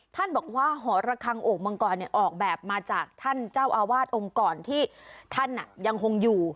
ท่านบอกว่าหอระคังโอ่งมังกรออกแบบมาจากท่านเจ้าอาวาสองค์กรที่ท่านยังคงอยู่